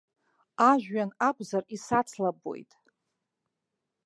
Ажәҩан акәзар исацлабуеит.